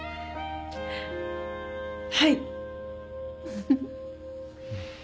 はい。